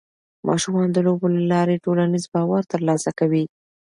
ماشومان د لوبو له لارې ټولنیز باور ترلاسه کوي.